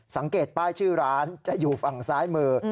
สังเกตป้ายชื่อร้านจะอยู่ฝั่งซ้ายมือ